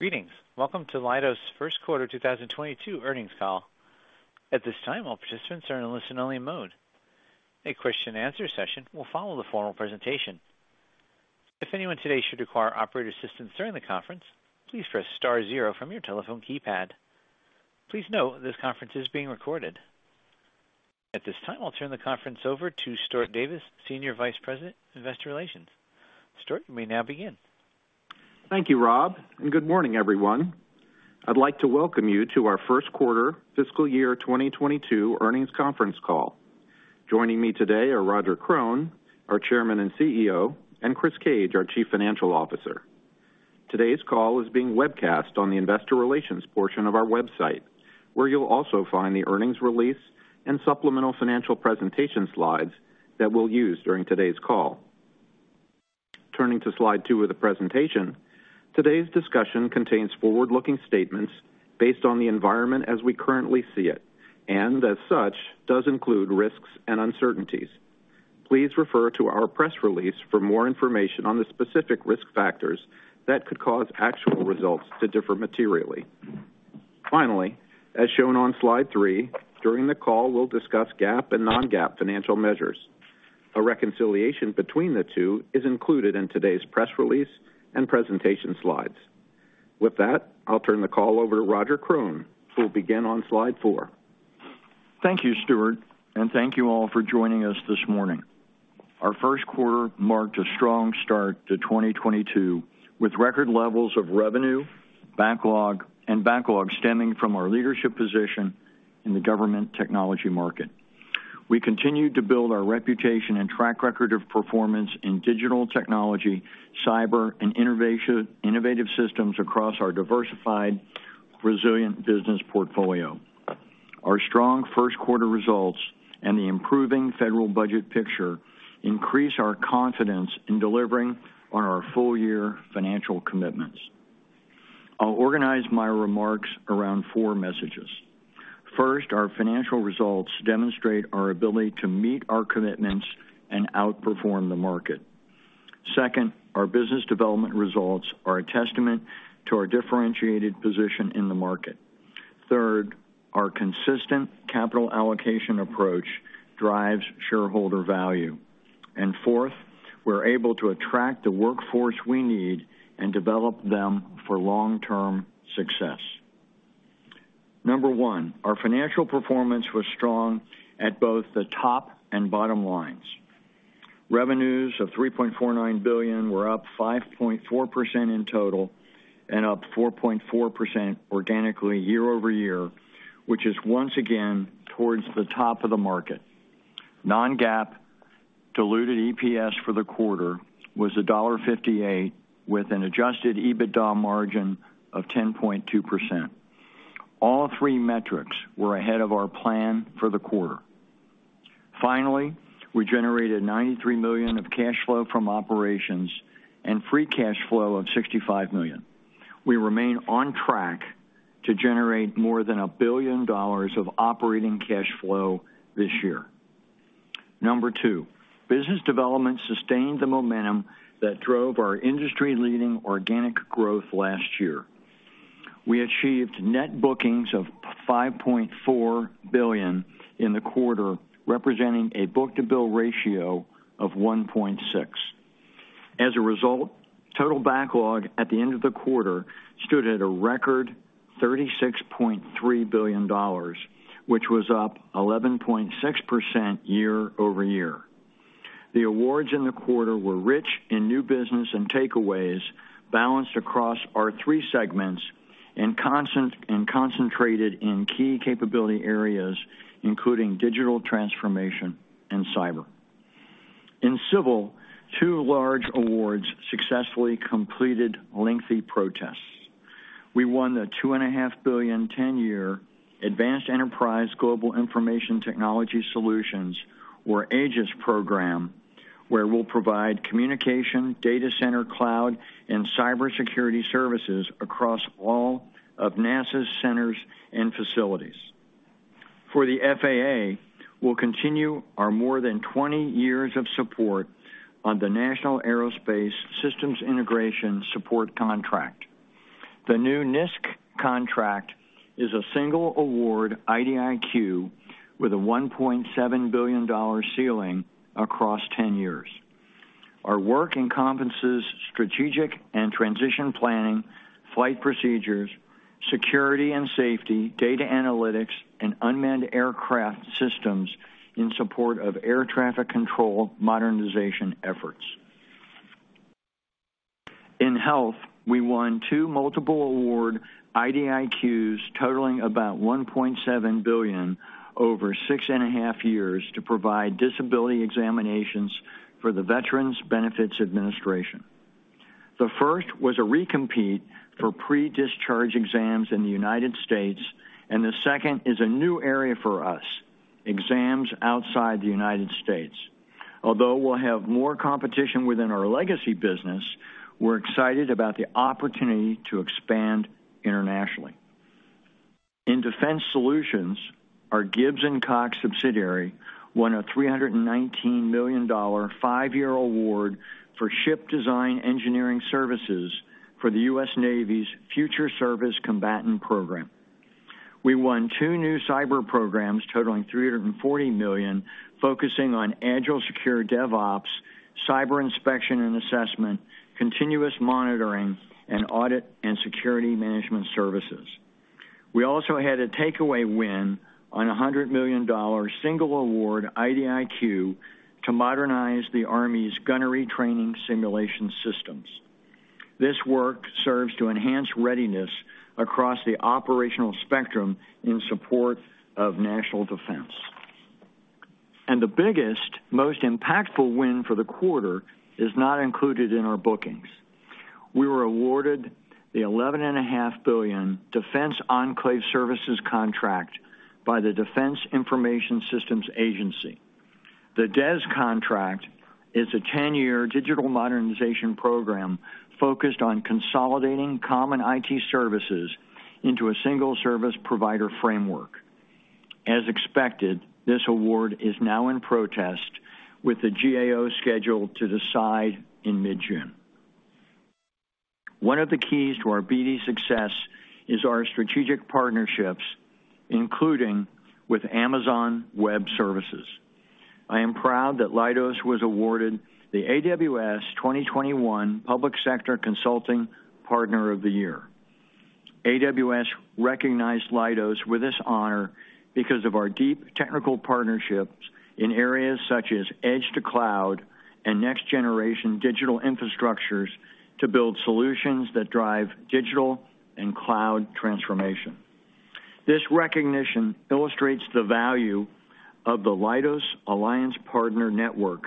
Greetings. Welcome to Leidos' First Quarter 2022 Earnings Call. At this time, all participants are in listen-only mode. A question-and-answer session will follow the formal presentation. If anyone today should require operator assistance during the conference, please press star zero from your telephone keypad. Please note this conference is being recorded. At this time, I'll turn the conference over to Stuart Davis, Senior Vice President, Investor Relations. Stuart, you may now begin. Thank you, Rob, and good morning, everyone. I'd like to welcome you to our First Quarter Fiscal Year 2022 Earnings Conference Call. Joining me today are Roger Krone, our Chairman and CEO, and Chris Cage, our Chief Financial Officer. Today's call is being webcast on the investor relations portion of our website, where you'll also find the earnings release and supplemental financial presentation slides that we'll use during today's call. Turning to slide two of the presentation, today's discussion contains forward-looking statements based on the environment as we currently see it, and as such, does include risks and uncertainties. Please refer to our press release for more information on the specific risk factors that could cause actual results to differ materially. Finally, as shown on slide three, during the call, we'll discuss GAAP and non-GAAP financial measures. A reconciliation between the two is included in today's press release and presentation slides. With that, I'll turn the call over to Roger Krone, who will begin on slide 4. Thank you, Stuart, and thank you all for joining us this morning. Our first quarter marked a strong start to 2022, with record levels of revenue, backlog stemming from our leadership position in the government technology market. We continued to build our reputation and track record of performance in digital technology, cyber, and innovation, innovative systems across our diversified, resilient business portfolio. Our strong first quarter results and the improving federal budget picture increase our confidence in delivering on our full-year financial commitments. I'll organize my remarks around four messages. First, our financial results demonstrate our ability to meet our commitments and outperform the market. Second, our business development results are a testament to our differentiated position in the market. Third, our consistent capital allocation approach drives shareholder value. Fourth, we're able to attract the workforce we need and develop them for long-term success. Number one, our financial performance was strong at both the top and bottom lines. Revenues of $3.49 billion were up 5.4% in total and up 4.4% organically year-over-year, which is once again towards the top of the market. Non-GAAP diluted EPS for the quarter was $1.58, with an Adjusted EBITDA margin of 10.2%. All three metrics were ahead of our plan for the quarter. Finally, we generated $93 million of cash flow from operations and free cash flow of $65 million. We remain on track to generate more than a billion dollars of operating cash flow this year. Number two, business development sustained the momentum that drove our industry-leading organic growth last year. We achieved net bookings of $5.4 billion in the quarter, representing a book-to-bill ratio of 1.6. As a result, total backlog at the end of the quarter stood at a record $36.3 billion, which was up 11.6% year-over-year. The awards in the quarter were rich in new business and takeaways balanced across our three segments and concentrated in key capability areas, including digital transformation and cyber. In civil, two large awards successfully completed lengthy protests. We won the $2.5 billion, 10-year Advanced Enterprise Global Information Technology Solutions, or AEGIS program, where we'll provide communication, data center, cloud, and cybersecurity services across all of NASA's centers and facilities. For the FAA, we'll continue our more than 20 years of support on the National Aerospace Systems Integration Support contract. The new NISC contract is a single-award IDIQ with a $1.7 billion ceiling across 10 years. Our work encompasses strategic and transition planning, flight procedures, security and safety, data analytics, and unmanned aircraft systems in support of air traffic control modernization efforts. In health, we won two multiple award IDIQs totaling about $1.7 billion over 6.5 years to provide disability examinations for the Veterans Benefits Administration. The first was a recompete for pre-discharge exams in the United States, and the second is a new area for us, exams outside the United States. Although we'll have more competition within our legacy business, we're excited about the opportunity to expand internationally. In Defense Solutions, our Gibbs & Cox subsidiary won a $319 million five-year award for ship design engineering services for the U.S. Navy's Future Surface Combatant program. We won two new cyber programs totaling $340 million, focusing on agile secure DevOps, cyber inspection and assessment, continuous monitoring, and audit and security management services. We also had a takeaway win on a $100 million single award IDIQ to modernize the Army's gunnery training simulation systems. This work serves to enhance readiness across the operational spectrum in support of national defense. The biggest, most impactful win for the quarter is not included in our bookings. We were awarded the $11.5 billion Defense Enclave Services contract by the Defense Information Systems Agency. The DES contract is a ten-year digital modernization program focused on consolidating common IT services into a single service provider framework. As expected, this award is now in protest with the GAO scheduled to decide in mid-June. One of the keys to our BD success is our strategic partnerships, including with Amazon Web Services. I am proud that Leidos was awarded the AWS 2021 Public Sector Consulting Partner of the Year. AWS recognized Leidos with this honor because of our deep technical partnerships in areas such as edge to cloud and next-generation digital infrastructures to build solutions that drive digital and cloud transformation. This recognition illustrates the value of the Leidos Alliance Partner Network,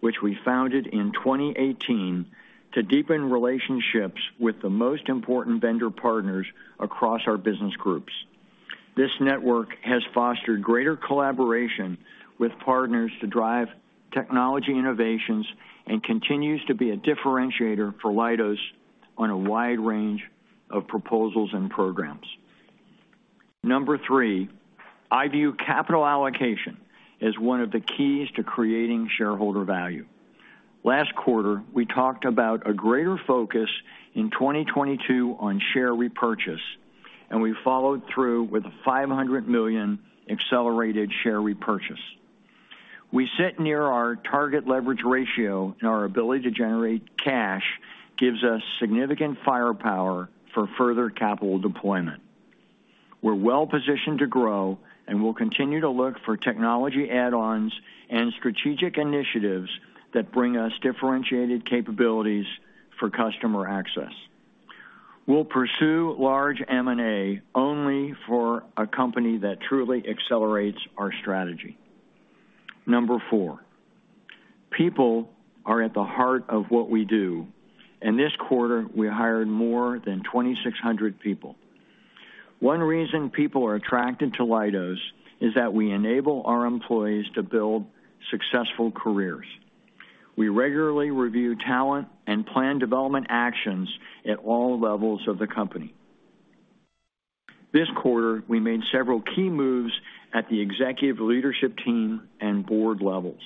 which we founded in 2018 to deepen relationships with the most important vendor partners across our business groups. This network has fostered greater collaboration with partners to drive technology innovations and continues to be a differentiator for Leidos on a wide range of proposals and programs. Number three, I view capital allocation as one of the keys to creating shareholder value. Last quarter, we talked about a greater focus in 2022 on share repurchase, and we followed through with a $500 million accelerated share repurchase. We sit near our target leverage ratio, and our ability to generate cash gives us significant firepower for further capital deployment. We're well-positioned to grow, and we'll continue to look for technology add-ons and strategic initiatives that bring us differentiated capabilities for customer access. We'll pursue large M&A only for a company that truly accelerates our strategy. Number four, people are at the heart of what we do, and this quarter, we hired more than 2,600 people. One reason people are attracted to Leidos is that we enable our employees to build successful careers. We regularly review talent and plan development actions at all levels of the company. This quarter, we made several key moves at the executive leadership team and board levels.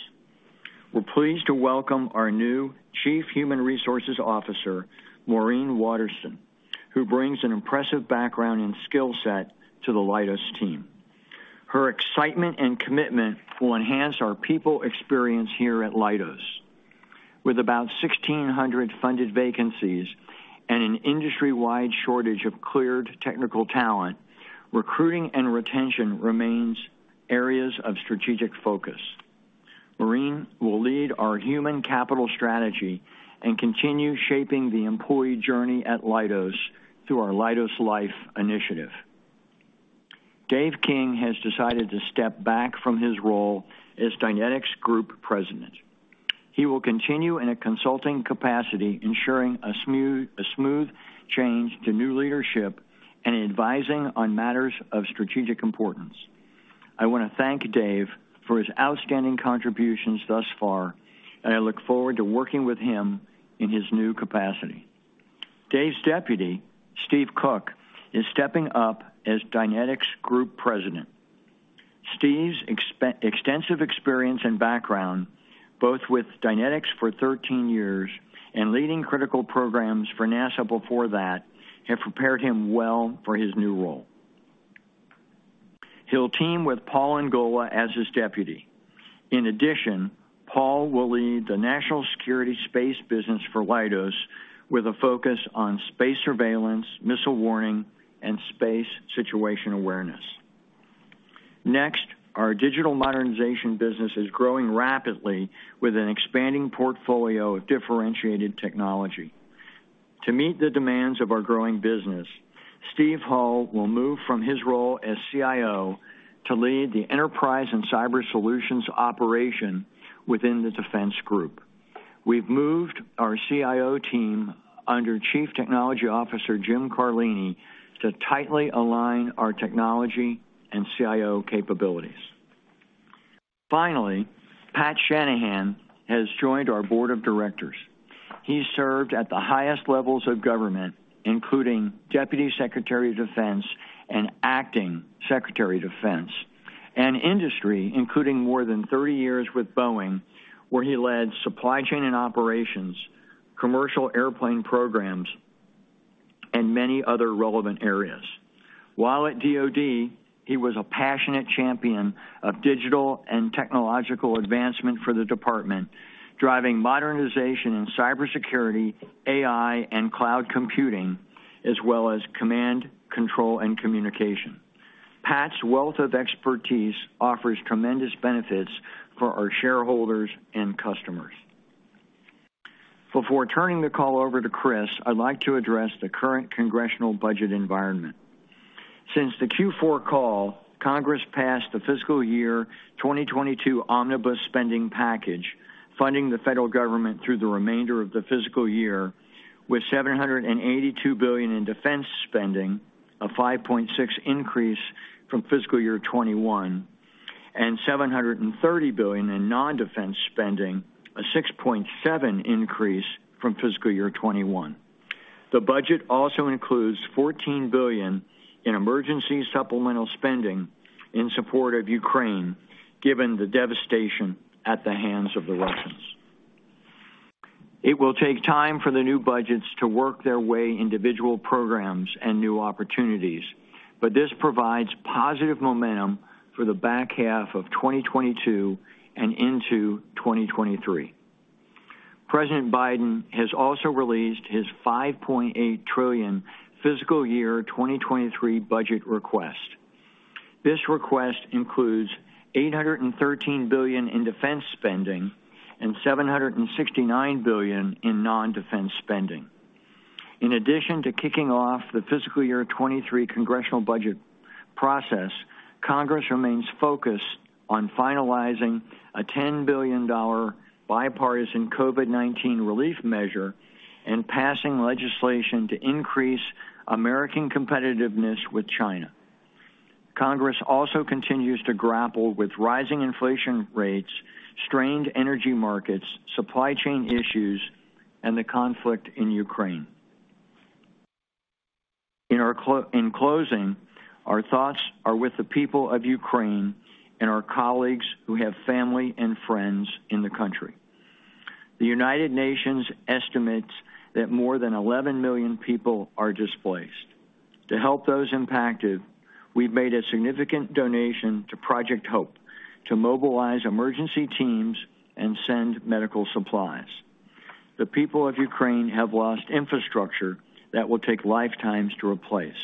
We're pleased to welcome our new Chief Human Resources Officer, Maureen Waterston, who brings an impressive background and skill set to the Leidos team. Her excitement and commitment will enhance our people experience here at Leidos. With about 1,600 funded vacancies and an industry-wide shortage of cleared technical talent, recruiting and retention remains areas of strategic focus. Maureen will lead our human capital strategy and continue shaping the employee journey at Leidos through our Leidos Life initiative. Dave King has decided to step back from his role as Dynetics Group President. He will continue in a consulting capacity, ensuring a smooth change to new leadership and advising on matters of strategic importance. I wanna thank Dave for his outstanding contributions thus far, and I look forward to working with him in his new capacity. Dave's deputy, Steve Cook, is stepping up as Dynetics Group President. Steve's extensive experience and background, both with Dynetics for 13 years and leading critical programs for NASA before that, have prepared him well for his new role. He'll team with Paul Engola as his deputy. In addition, Paul will lead the National Security Space business for Leidos with a focus on space surveillance, missile warning, and space situation awareness. Next, our digital modernization business is growing rapidly with an expanding portfolio of differentiated technology. To meet the demands of our growing business, Steve Hull will move from his role as CIO to lead the enterprise and cyber solutions operation within the defense group. We've moved our CIO team under Chief Technology Officer Jim Carlini to tightly align our technology and CIO capabilities. Finally, Patrick Shanahan has joined our board of directors. He served at the highest levels of government, including Deputy Secretary of Defense and Acting Secretary of Defense, and industry, including more than 30 years with Boeing, where he led supply chain and operations, commercial airplane programs, and many other relevant areas. While at DoD, he was a passionate champion of digital and technological advancement for the department, driving modernization in cybersecurity, AI, and cloud computing, as well as command, control, and communication. Pat's wealth of expertise offers tremendous benefits for our shareholders and customers. Before turning the call over to Chris, I'd like to address the current congressional budget environment. Since the Q4 call, Congress passed the fiscal year 2022 omnibus spending package, funding the federal government through the remainder of the fiscal year with $782 billion in defense spending, a 5.6% increase from fiscal year 2021, and $730 billion in non-defense spending, a 6.7% increase from fiscal year 2021. The budget also includes $14 billion in emergency supplemental spending in support of Ukraine, given the devastation at the hands of the Russians. It will take time for the new budgets to work their way into individual programs and new opportunities, but this provides positive momentum for the back half of 2022 and into 2023. President Biden has also released his $5.8 trillion fiscal year 2023 budget request. This request includes $813 billion in defense spending and $769 billion in non-defense spending. In addition to kicking off the fiscal year 2023 congressional budget process, Congress remains focused on finalizing a $10 billion bipartisan COVID-19 relief measure and passing legislation to increase American competitiveness with China. Congress also continues to grapple with rising inflation rates, strained energy markets, supply chain issues, and the conflict in Ukraine. In closing, our thoughts are with the people of Ukraine and our colleagues who have family and friends in the country. The United Nations estimates that more than 11 million people are displaced. To help those impacted, we've made a significant donation to Project HOPE to mobilize emergency teams and send medical supplies. The people of Ukraine have lost infrastructure that will take lifetimes to replace.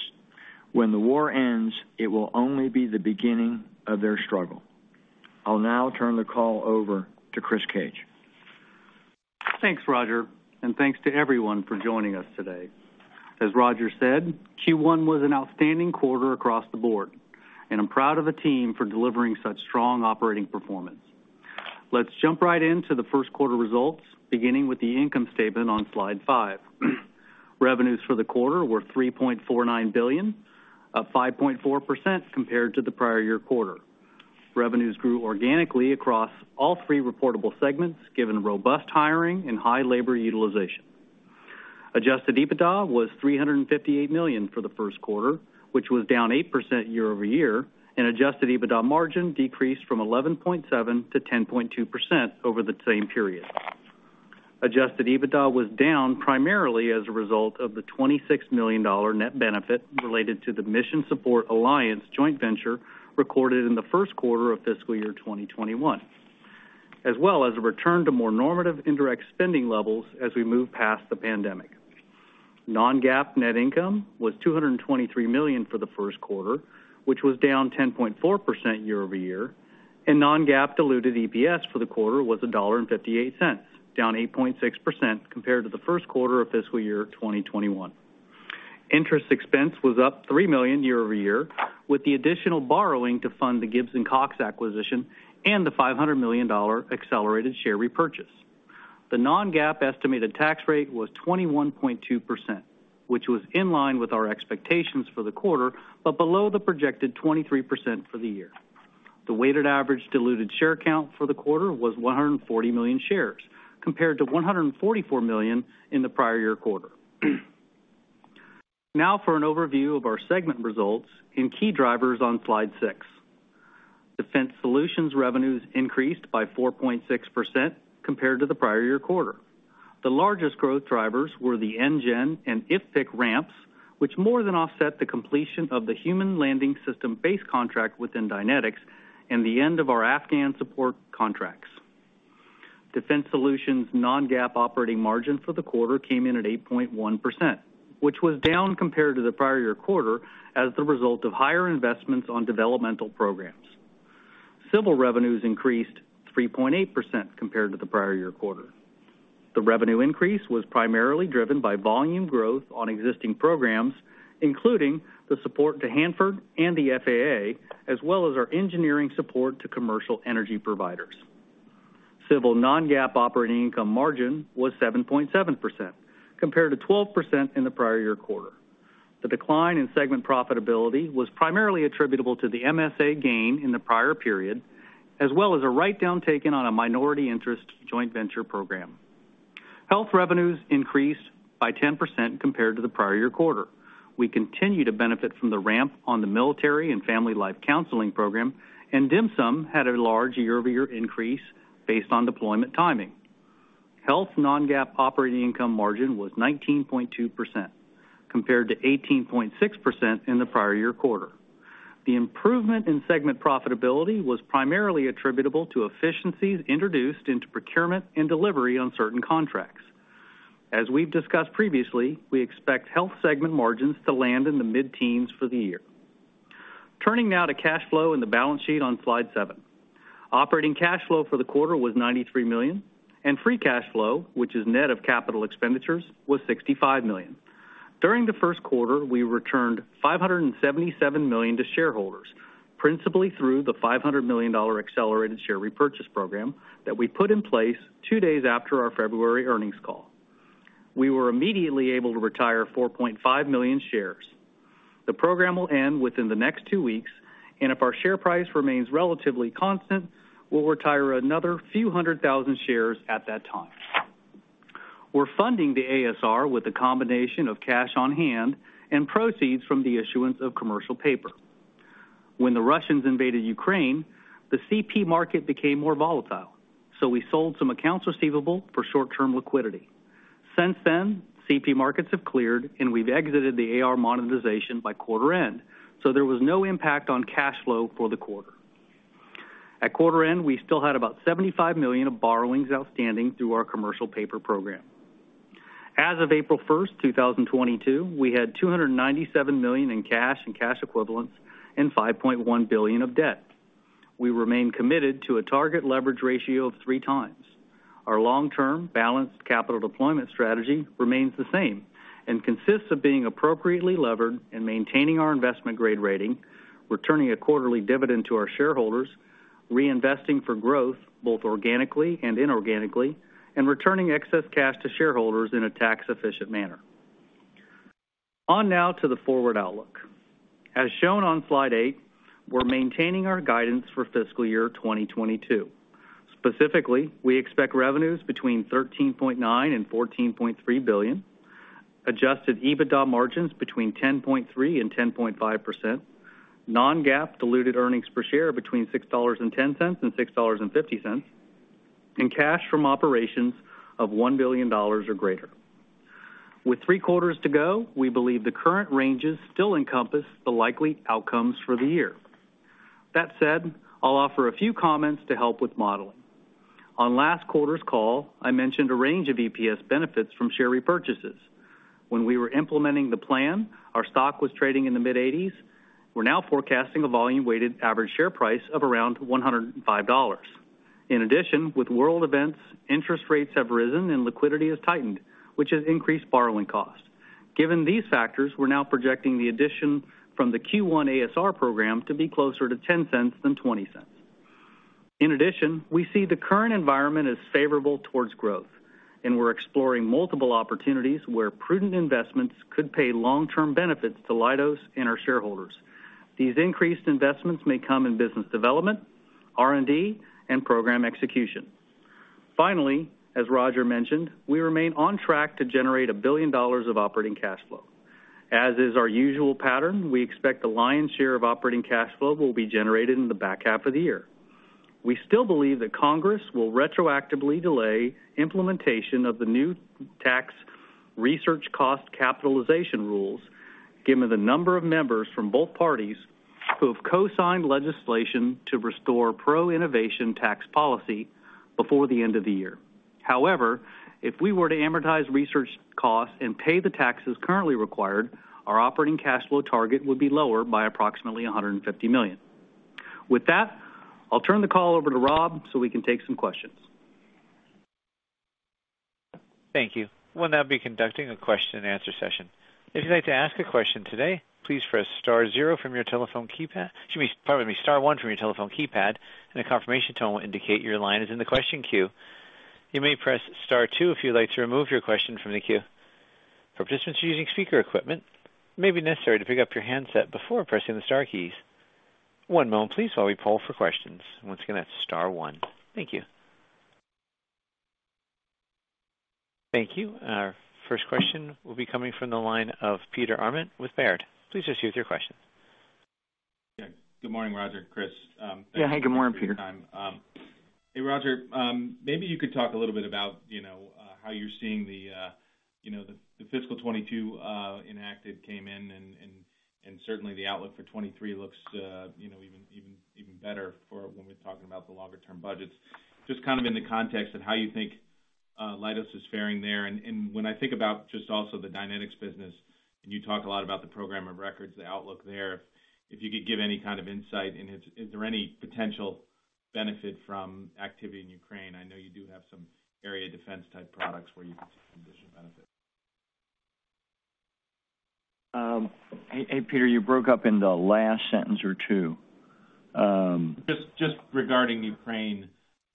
When the war ends, it will only be the beginning of their struggle. I'll now turn the call over to Chris Cage. Thanks, Roger, and thanks to everyone for joining us today. As Roger said, Q1 was an outstanding quarter across the board, and I'm proud of the team for delivering such strong operating performance. Let's jump right into the first quarter results, beginning with the income statement on slide 5. Revenues for the quarter were $3.49 billion, up 5.4% compared to the prior year quarter. Revenues grew organically across all three reportable segments, given robust hiring and high labor utilization. Adjusted EBITDA was $358 million for the first quarter, which was down 8% year-over-year, and Adjusted EBITDA margin decreased from 11.7% to 10.2% over the same period. Adjusted EBITDA was down primarily as a result of the $26 million net benefit related to the Mission Support Alliance joint venture recorded in the first quarter of fiscal year 2021, as well as a return to more normative indirect spending levels as we move past the pandemic. Non-GAAP net income was $223 million for the first quarter, which was down 10.4% year-over-year, and non-GAAP diluted EPS for the quarter was $1.58, down 8.6% compared to the first quarter of fiscal year 2021. Interest expense was up $3 million year-over-year with the additional borrowing to fund the Gibbs & Cox acquisition and the $500 million accelerated share repurchase. The non-GAAP estimated tax rate was 21.2%, which was in line with our expectations for the quarter, but below the projected 23% for the year. The weighted average diluted share count for the quarter was 140 million shares, compared to 144 million in the prior year quarter. Now for an overview of our segment results and key drivers on slide six. Defense Solutions revenues increased by 4.6% compared to the prior year quarter. The largest growth drivers were the NGEN and IFPC ramps, which more than offset the completion of the Human Landing System base contract within Dynetics and the end of our Afghan support contracts. Defense Solutions' non-GAAP operating margin for the quarter came in at 8.1%, which was down compared to the prior year quarter as the result of higher investments on developmental programs. Civil revenues increased 3.8% compared to the prior year quarter. The revenue increase was primarily driven by volume growth on existing programs, including the support to Hanford and the FAA, as well as our engineering support to commercial energy providers. Civil non-GAAP operating income margin was 7.7% compared to 12% in the prior year quarter. The decline in segment profitability was primarily attributable to the MSA gain in the prior period, as well as a write-down taken on a minority interest joint venture program. Health revenues increased by 10% compared to the prior year quarter. We continue to benefit from the ramp on the Military and Family Life Counseling program, and DHMSM had a large year-over-year increase based on deployment timing. Health non-GAAP operating income margin was 19.2% compared to 18.6% in the prior year quarter. The improvement in segment profitability was primarily attributable to efficiencies introduced into procurement and delivery on certain contracts. As we've discussed previously, we expect health segment margins to land in the mid-teens for the year. Turning now to cash flow and the balance sheet on slide 7. Operating cash flow for the quarter was $93 million, and free cash flow, which is net of capital expenditures, was $65 million. During the first quarter, we returned $577 million to shareholders, principally through the $500 million dollar accelerated share repurchase program that we put in place two days after our February earnings call. We were immediately able to retire 4.5 million shares. The program will end within the next two weeks, and if our share price remains relatively constant, we'll retire another few hundred thousand shares at that time. We're funding the ASR with a combination of cash on hand and proceeds from the issuance of commercial paper. When the Russians invaded Ukraine, the CP market became more volatile, so we sold some accounts receivable for short-term liquidity. Since then, CP markets have cleared, and we've exited the AR monetization by quarter end, so there was no impact on cash flow for the quarter. At quarter end, we still had about $75 million of borrowings outstanding through our commercial paper program. As of April 1st, 2022, we had $297 million in cash and cash equivalents and $5.1 billion of debt. We remain committed to a target leverage ratio of 3x. Our long-term balanced capital deployment strategy remains the same and consists of being appropriately levered and maintaining our investment grade rating, returning a quarterly dividend to our shareholders, reinvesting for growth, both organically and inorganically, and returning excess cash to shareholders in a tax-efficient manner. And now to the forward outlook. As shown on slide 8, we're maintaining our guidance for fiscal year 2022. Specifically, we expect revenues between $13.9 billion-$14.3 billion, Adjusted EBITDA margins between 10.3%-10.5%, non-GAAP diluted earnings per share between $6.10-$6.50, and cash from operations of $1 billion or greater. With three quarters to go, we believe the current ranges still encompass the likely outcomes for the year. That said, I'll offer a few comments to help with modeling. On last quarter's call, I mentioned a range of EPS benefits from share repurchases. When we were implementing the plan, our stock was trading in the mid-80s. We're now forecasting a volume-weighted average share price of around $105. In addition, with world events, interest rates have risen and liquidity has tightened, which has increased borrowing costs. Given these factors, we're now projecting the addition from the Q1 ASR program to be closer to $0.10 than $0.20. In addition, we see the current environment as favorable towards growth, and we're exploring multiple opportunities where prudent investments could pay long-term benefits to Leidos and our shareholders. These increased investments may come in business development, R&D, and program execution. Finally, as Roger mentioned, we remain on track to generate $1 billion of operating cash flow. As is our usual pattern, we expect the lion's share of operating cash flow will be generated in the back half of the year. We still believe that Congress will retroactively delay implementation of the new tax research cost capitalization rules, given the number of members from both parties who have cosigned legislation to restore pro-innovation tax policy before the end of the year. However, if we were to amortize research costs and pay the taxes currently required, our operating cash flow target would be lower by approximately $150 million. With that, I'll turn the call over to Rob so we can take some questions. Thank you. We'll now be conducting a question and answer session. If you'd like to ask a question today, please press star zero from your telephone keypad. Excuse me, pardon me, star one from your telephone keypad and a confirmation tone will indicate your line is in the question queue. You may press star two if you'd like to remove your question from the queue. For participants using speaker equipment, it may be necessary to pick up your handset before pressing the star keys. One moment please while we poll for questions. Once again, that's star one. Thank you. Thank you. Our first question will be coming from the line of Peter Arment with Baird. Please proceed with your question. Yeah. Good morning, Roger, Chris. Yeah. Hey, good morning, Peter. Thanks for your time. Hey, Roger, maybe you could talk a little bit about, you know, how you're seeing the, you know, the fiscal 2022 enacted came in and and certainly the outlook for 2023 looks, you know, even better for when we're talking about the longer term budgets. Just kind of in the context of how you think Leidos is faring there. When I think about just also the Dynetics business, and you talk a lot about the programs of record, the outlook there. If you could give any kind of insight and is there any potential benefit from activity in Ukraine? I know you do have some air defense type products where you could see some additional benefit. Hey, Peter, you broke up in the last sentence or two. Just regarding Ukraine.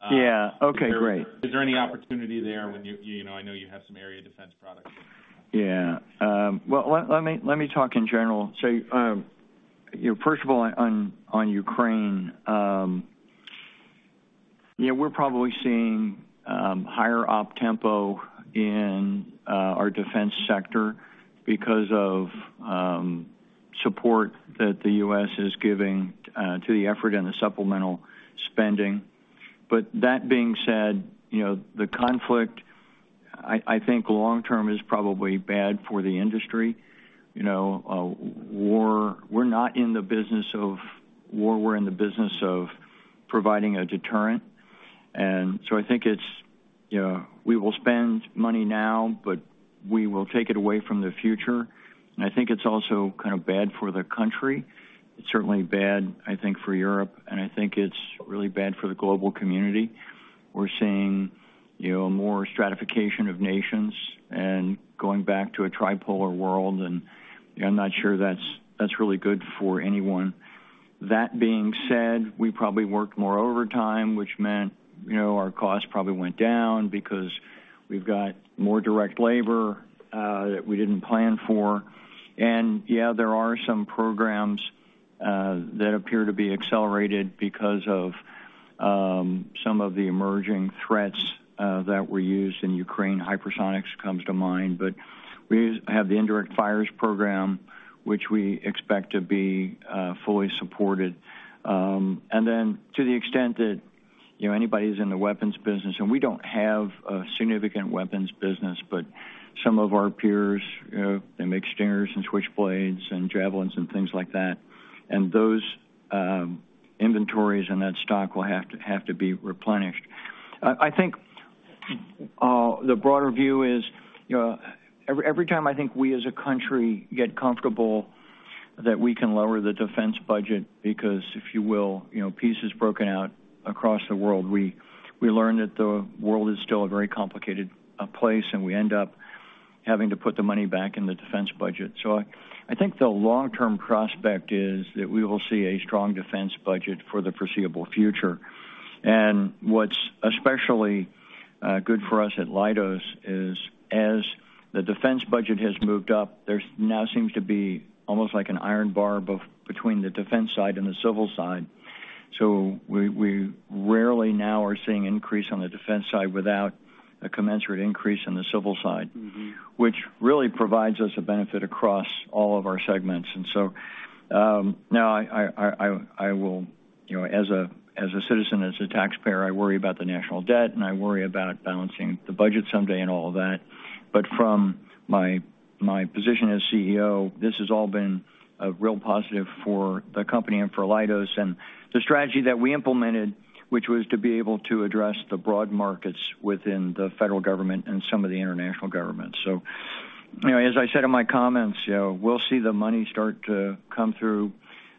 Yeah. Okay, great. Is there any opportunity there when you know, I know you have some area defense products? Yeah. Well, let me talk in general. You know, first of all, on Ukraine, yeah, we're probably seeing higher op tempo in our defense sector because of support that the U.S. is giving to the effort and the supplemental spending. That being said, you know, the conflict, I think long term is probably bad for the industry. You know, we're not in the business of war, we're in the business of providing a deterrent. So I think it's, you know, we will spend money now, but we will take it away from the future. I think it's also kind of bad for the country. It's certainly bad, I think, for Europe, and I think it's really bad for the global community. We're seeing, you know, more stratification of nations and going back to a tripolar world, and I'm not sure that's really good for anyone. That being said, we probably work more overtime, which meant, you know, our costs probably went down because we've got more direct labor that we didn't plan for. Yeah, there are some programs that appear to be accelerated because of some of the emerging threats that were used in Ukraine. Hypersonics comes to mind. We have the Indirect Fires program, which we expect to be fully supported. To the extent that, you know, anybody who's in the weapons business, and we don't have a significant weapons business, but some of our peers, you know, they make stingers and switchblades and javelins and things like that. Those inventories and that stock will have to be replenished. I think the broader view is, you know, every time I think we as a country get comfortable that we can lower the defense budget because if you will, you know, peace has broken out across the world, we learn that the world is still a very complicated place, and we end up having to put the money back in the defense budget. I think the long-term prospect is that we will see a strong defense budget for the foreseeable future. What's especially good for us at Leidos is, as the defense budget has moved up, there's now seems to be almost like an iron bar between the defense side and the civil side. We rarely now are seeing increase on the defense side without a commensurate increase on the civil side. Mm-hmm. Which really provides us a benefit across all of our segments. Now I will, you know, as a citizen, as a taxpayer, I worry about the national debt and I worry about balancing the budget someday and all of that. From my position as CEO, this has all been a real positive for the company and for Leidos and the strategy that we implemented, which was to be able to address the broad markets within the federal government and some of the international governments. You know, as I said in my comments, you know, we'll see the money start to come through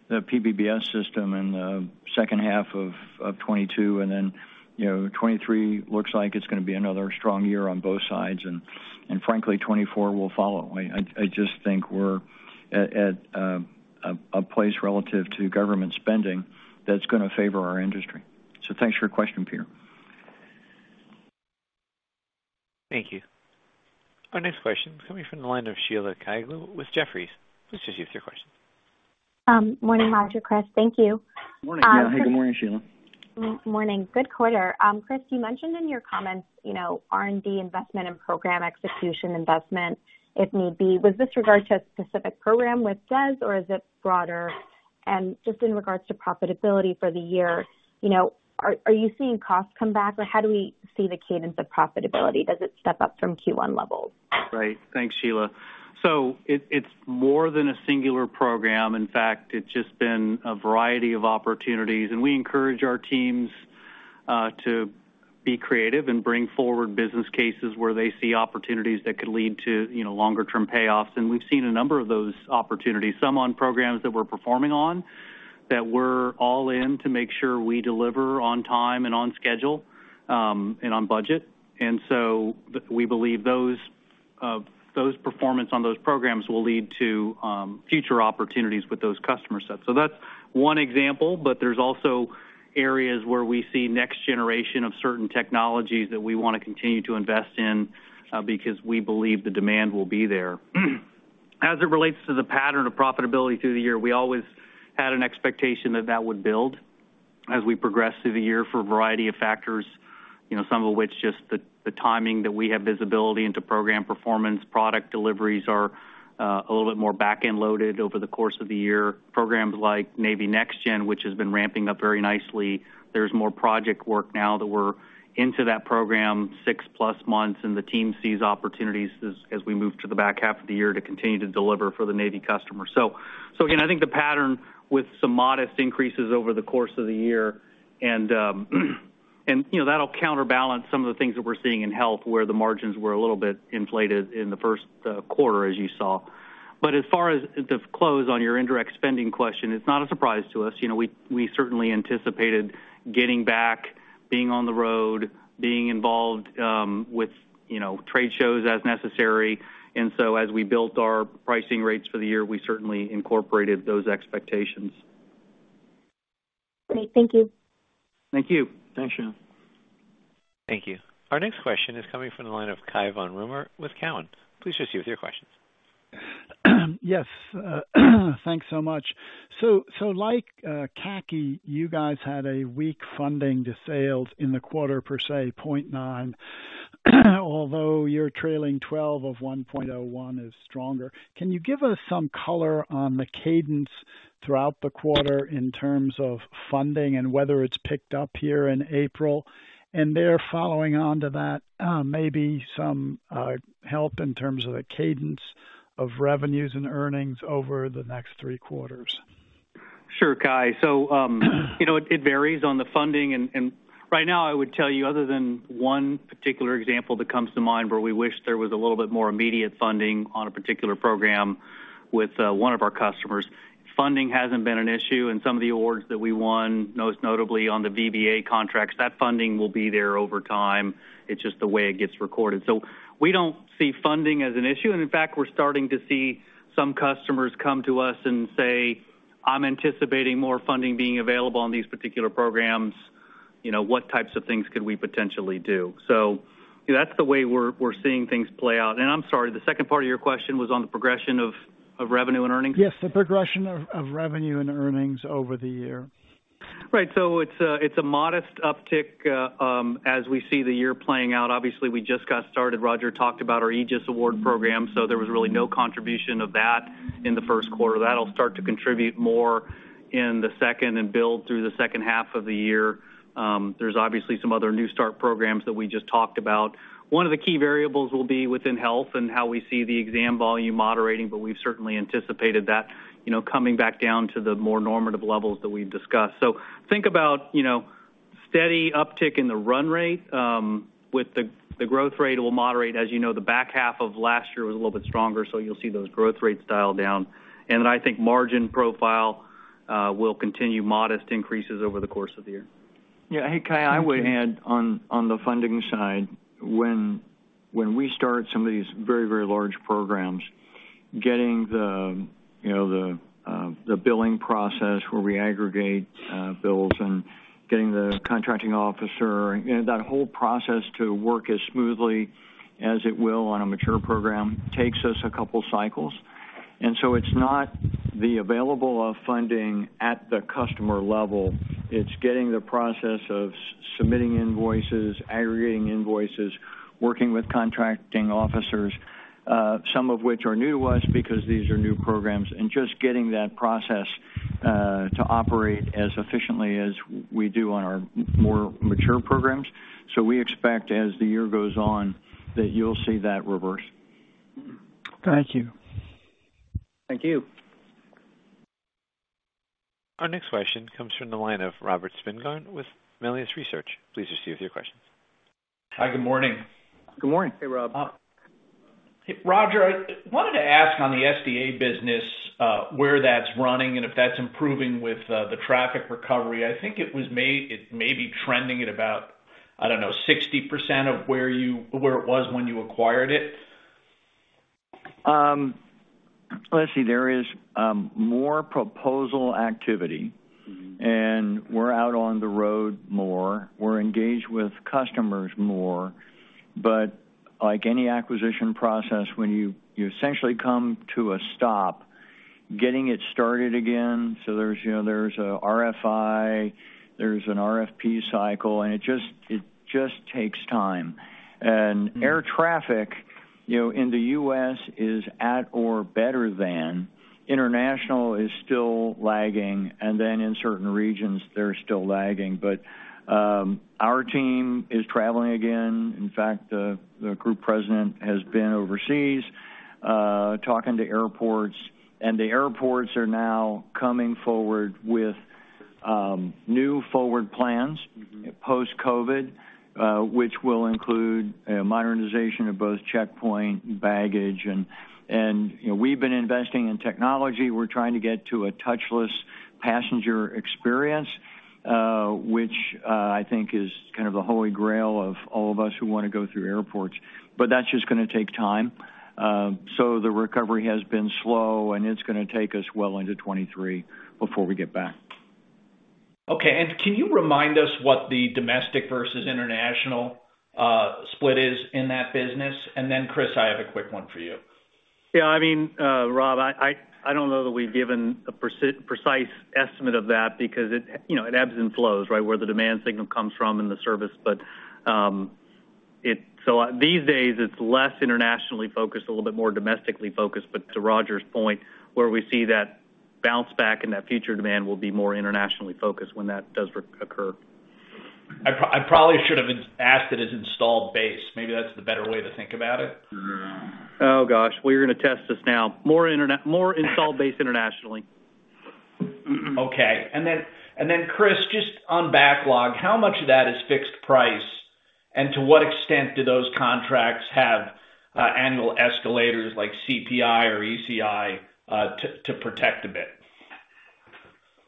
the PPBS system in the second half of 2022. You know, 2023 looks like it's gonna be another strong year on both sides. Frankly, 2024 will follow. I just think we're at a place relative to government spending that's gonna favor our industry. Thanks for your question, Peter. Thank you. Our next question is coming from the line of Sheila Kahyaoglu with Jefferies. Please proceed with your question. Morning, Roger, Chris. Thank you. Morning. Yeah. Hey, good morning, Sheila. Morning. Good quarter. Chris, you mentioned in your comments, you know, R&D investment and program execution investment if need be. Was this in regard to a specific program with DES or is it broader? Just in regard to profitability for the year, you know, are you seeing costs come back or how do we see the cadence of profitability? Does it step up from Q1 levels? Great. Thanks, Sheila. It's more than a singular program. In fact, it's just been a variety of opportunities, and we encourage our teams to be creative and bring forward business cases where they see opportunities that could lead to, you know, longer term payoffs. We've seen a number of those opportunities, some on programs that we're performing on, that we're all in to make sure we deliver on time and on schedule, and on budget. We believe those performance on those programs will lead to future opportunities with those customer sets. That's one example, but there's also areas where we see next generation of certain technologies that we wanna continue to invest in, because we believe the demand will be there. As it relates to the pattern of profitability through the year, we always had an expectation that would build as we progress through the year for a variety of factors, you know, some of which just the timing that we have visibility into program performance, product deliveries are a little bit more back-end loaded over the course of the year. Programs like Navy NGEN, which has been ramping up very nicely, there's more project work now that we're into that program six-plus months, and the team sees opportunities as we move to the back half of the year to continue to deliver for the Navy customer. Again, I think the pattern with some modest increases over the course of the year and, you know, that'll counterbalance some of the things that we're seeing in Health where the margins were a little bit inflated in the first quarter, as you saw. As far as the close on your indirect spending question, it's not a surprise to us. You know, we certainly anticipated getting back Being on the road, being involved, with, you know, trade shows as necessary. As we built our pricing rates for the year, we certainly incorporated those expectations. Great. Thank you. Thank you. Thanks, Sheila. Thank you. Our next question is coming from the line of Cai von Rumohr with Cowen. Please proceed with your questions. Yes, thanks so much. So like, Kahyaoglu, you guys had a weak funding-to-sales in the quarter per se, 0.9. Although your trailing twelve of 1.01 is stronger. Can you give us some color on the cadence throughout the quarter in terms of funding and whether it's picked up here in April? Following on to that, maybe some help in terms of the cadence of revenues and earnings over the next three quarters. Sure, Cai. You know, it varies on the funding. Right now I would tell you other than one particular example that comes to mind where we wish there was a little bit more immediate funding on a particular program with one of our customers, funding hasn't been an issue, and some of the awards that we won, most notably on the VBA contracts, that funding will be there over time. It's just the way it gets recorded. We don't see funding as an issue. In fact, we're starting to see some customers come to us and say, "I'm anticipating more funding being available on these particular programs. You know, what types of things could we potentially do?" You know, that's the way we're seeing things play out. I'm sorry, the second part of your question was on the progression of revenue and earnings? Yes. The progression of revenue and earnings over the year. Right. It's a modest uptick as we see the year playing out. Obviously, we just got started. Roger talked about our AEGIS award program, so there was really no contribution of that in the first quarter. That'll start to contribute more in the second and build through the second half of the year. There's obviously some other new start programs that we just talked about. One of the key variables will be within health and how we see the exam volume moderating, but we've certainly anticipated that, you know, coming back down to the more normative levels that we've discussed. Think about, you know, steady uptick in the run rate, with the growth rate will moderate. As you know, the back half of last year was a little bit stronger, so you'll see those growth rates dial down. I think margin profile will continue modest increases over the course of the year. Yeah. Hey, Cai, I would add on the funding side, when we start some of these very large programs, getting the you know the billing process where we aggregate bills and getting the contracting officer you know that whole process to work as smoothly as it will on a mature program takes us a couple cycles. It's not the availability of funding at the customer level, it's getting the process of submitting invoices, aggregating invoices, working with contracting officers some of which are new to us because these are new programs, and just getting that process to operate as efficiently as we do on our more mature programs. We expect, as the year goes on, that you'll see that reverse. Thank you. Thank you. Our next question comes from the line of Robert Spingarn with Melius Research. Please proceed with your questions. Hi, good morning. Good morning. Hey, Rob. Roger, I wanted to ask on the SDA business, where that's running and if that's improving with the traffic recovery. I think it may be trending at about, I don't know, 60% of where it was when you acquired it. Let's see. There is more proposal activity. Mm-hmm. We're out on the road more. We're engaged with customers more. Like any acquisition process, when you essentially come to a stop, getting it started again, so there's, you know, an RFI, there's an RFP cycle, and it takes time. Air traffic, you know, in the U.S. is at or better than. International is still lagging, and then in certain regions they're still lagging. Our team is traveling again. In fact, the group president has been overseas talking to airports. The airports are now coming forward with new forward plans. Mm-hmm. Post COVID, which will include modernization of both checkpoint baggage and, you know, we've been investing in technology. We're trying to get to a touchless passenger experience, which I think is kind of the holy grail of all of us who wanna go through airports, but that's just gonna take time. The recovery has been slow and it's gonna take us well into 2023 before we get back. Okay. Can you remind us what the domestic versus international split is in that business? Chris, I have a quick one for you. Yeah, I mean, Rob, I don't know that we've given a precise estimate of that because, you know, it ebbs and flows, right, where the demand signal comes from and the service. These days it's less internationally focused, a little bit more domestically focused. To Roger's point, we see that bounce back and that future demand will be more internationally focused when that does occur. I probably should have asked it as installed base. Maybe that's the better way to think about it. Oh gosh, well, you're gonna test this now. More installed base internationally. Okay. Then, Chris, just on backlog, how much of that is fixed price, and to what extent do those contracts have annual escalators like CPI or ECI to protect a bit?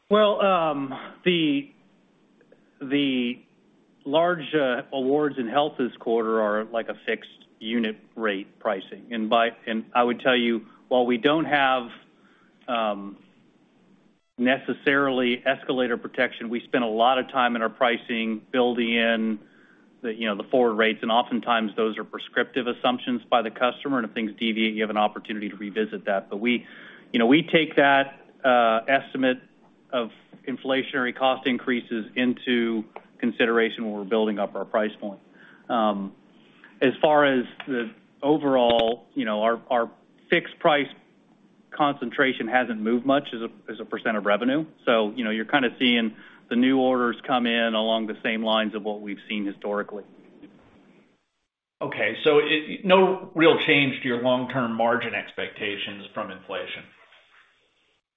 Well, the large awards in health this quarter are like a fixed unit rate pricing. I would tell you, while we don't have necessarily escalator protection, we spend a lot of time in our pricing building in the, you know, the forward rates, and oftentimes those are prescriptive assumptions by the customer, and if things deviate, you have an opportunity to revisit that. We, you know, we take that estimate of inflationary cost increases into consideration when we're building up our price point. As far as the overall, you know, our fixed price concentration hasn't moved much as a % of revenue. You know, you're kinda seeing the new orders come in along the same lines of what we've seen historically. No real change to your long-term margin expectations from inflation?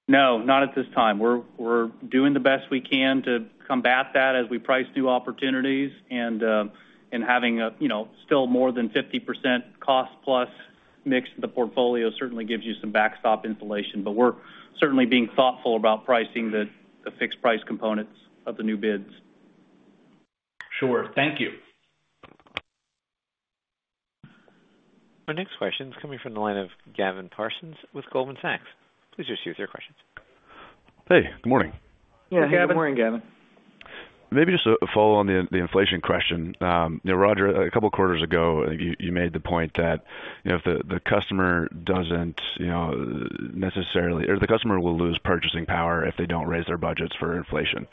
No, not at this time. We're doing the best we can to combat that as we price new opportunities and having a, you know, still more than 50% cost plus mix in the portfolio certainly gives you some backstop insulation. But we're certainly being thoughtful about pricing the fixed price components of the new bids. Sure. Thank you. Our next question is coming from the line of Gavin Parsons with UBS. Please go ahead with your questions. Hey, good morning. Yeah. Good morning, Gavin. Maybe just a follow-on to the inflation question. You know, Roger, a couple quarters ago, you made the point that, you know, if the customer doesn't necessarily or the customer will lose purchasing power if they don't raise their budgets for inflation.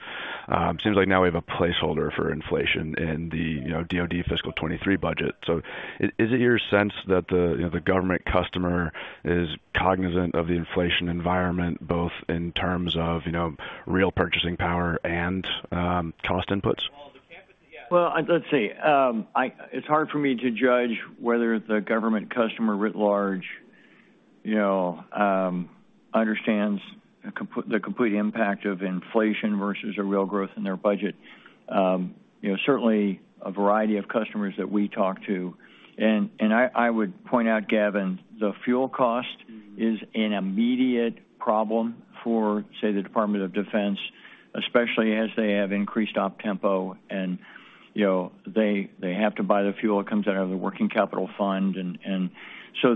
Seems like now we have a placeholder for inflation in the, you know, DoD Fiscal 2023 budget. Is it your sense that the, you know, the government customer is cognizant of the inflation environment, both in terms of, you know, real purchasing power and cost inputs? Well, let's see. It's hard for me to judge whether the government customer writ large, you know, understands the complete impact of inflation versus a real growth in their budget. You know, certainly a variety of customers that we talk to. I would point out, Gavin, the fuel cost is an immediate problem for, say, the Department of Defense, especially as they have increased op tempo and, you know, they have to buy the fuel. It comes out of the working capital fund.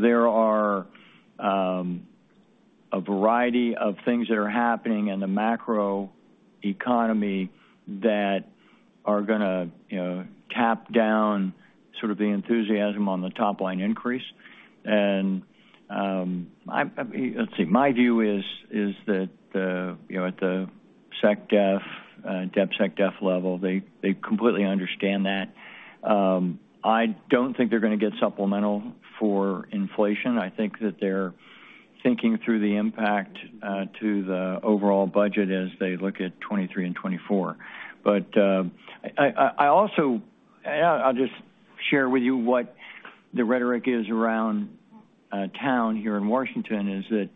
There are a variety of things that are happening in the macro economy that are gonna, you know, tap down sort of the enthusiasm on the top-line increase. I mean, let's see. My view is that, you know, at the SecDef, DepSecDef level, they completely understand that. I don't think they're gonna get supplemental for inflation. I think that they're thinking through the impact to the overall budget as they look at 2023 and 2024. I'll just share with you what the rhetoric is around town here in Washington, is that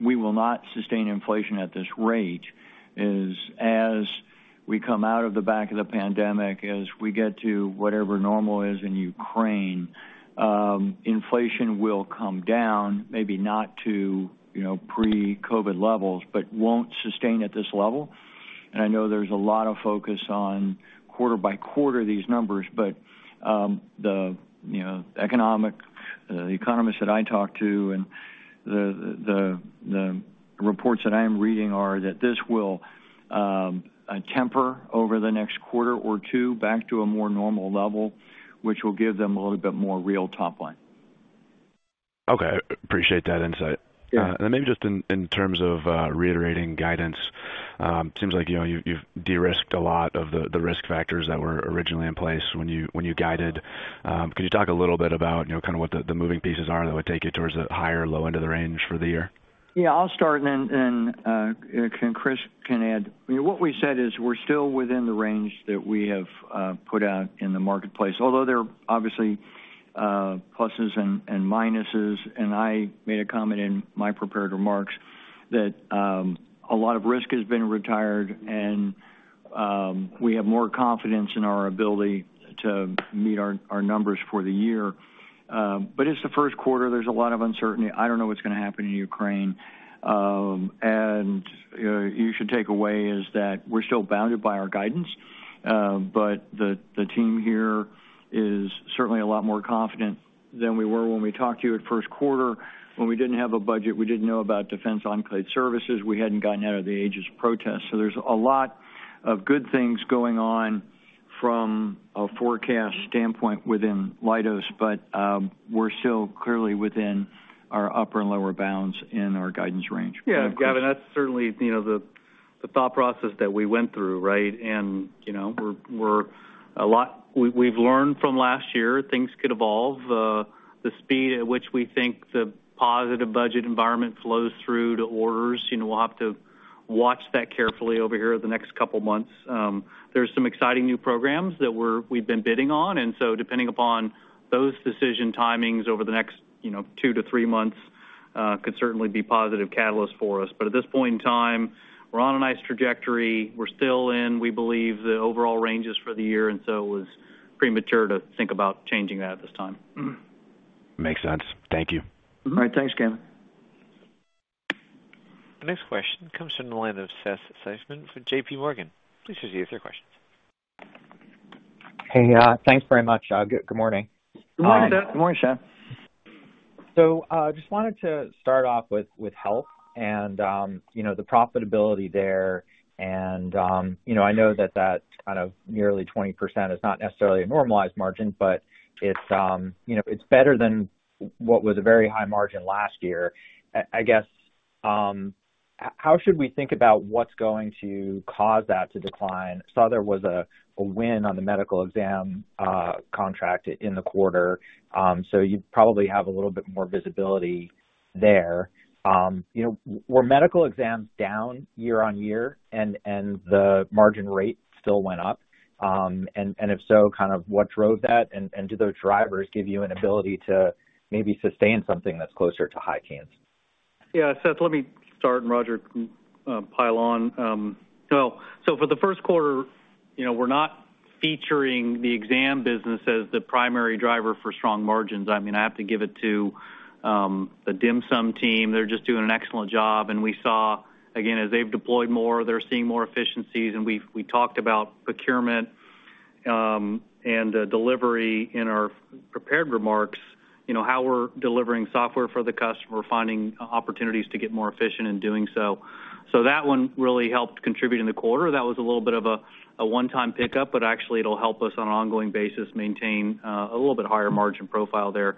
we will not sustain inflation at this rate as we come out of the back of the pandemic, as we get to whatever normal is in Ukraine, inflation will come down, maybe not to, you know, pre-COVID levels, but won't sustain at this level. I know there's a lot of focus on quarter by quarter these numbers, but you know the economists that I talk to and the reports that I am reading are that this will temper over the next quarter or two back to a more normal level, which will give them a little bit more real top line. Okay. Appreciate that insight. Yeah. Maybe just in terms of reiterating guidance, seems like, you know, you've de-risked a lot of the risk factors that were originally in place when you guided. Could you talk a little bit about, you know, kinda what the moving pieces are that would take you towards the high or low end of the range for the year? I'll start and then Chris can add. You know, what we said is we're still within the range that we have put out in the marketplace, although there are obviously pluses and minuses. I made a comment in my prepared remarks that a lot of risk has been retired and we have more confidence in our ability to meet our numbers for the year. It's the first quarter, there's a lot of uncertainty. I don't know what's gonna happen in Ukraine. You know, you should take away is that we're still bounded by our guidance, but the team here is certainly a lot more confident than we were when we talked to you at first quarter when we didn't have a budget, we didn't know about Defense Enclave Services. We hadn't gotten out of the AEGIS protest. There's a lot of good things going on from a forecast standpoint within Leidos, but, we're still clearly within our upper and lower bounds in our guidance range. Yeah, Gavin, that's certainly, you know, the thought process that we went through, right? You know, we've learned from last year, things could evolve. The speed at which we think the positive budget environment flows through to orders, you know, we'll have to watch that carefully over here the next couple months. There's some exciting new programs that we've been bidding on, and so depending upon those decision timings over the next, you know, 2-3 months, could certainly be positive catalyst for us. At this point in time, we're on a nice trajectory. We're still in, we believe, the overall ranges for the year, and so it was premature to think about changing that at this time. Makes sense. Thank you. All right. Thanks, Gavin. The next question comes from the line of Seth Seifman from J.P. Morgan. Please proceed with your question. Hey, thanks very much. Good morning. Good morning, Seth. Good morning, Seth. Just wanted to start off with health and you know the profitability there and you know I know that that kind of nearly 20% is not necessarily a normalized margin, but it's you know it's better than what was a very high margin last year. I guess how should we think about what's going to cause that to decline? Saw there was a win on the medical exam contract in the quarter, so you probably have a little bit more visibility there. You know were medical exams down year-over-year and the margin rate still went up? And if so, kind of what drove that? And do those drivers give you an ability to maybe sustain something that's closer to high teens%? Yeah, Seth, let me start and Roger can pile on. For the first quarter, you know, we're not featuring the exam business as the primary driver for strong margins. I mean, I have to give it to the DHMSM team. They're just doing an excellent job. We saw, again, as they've deployed more, they're seeing more efficiencies. We've talked about procurement and delivery in our prepared remarks, you know, how we're delivering software for the customer, finding opportunities to get more efficient in doing so. That one really helped contribute in the quarter. That was a little bit of a one-time pickup, but actually it'll help us on an ongoing basis maintain a little bit higher margin profile there.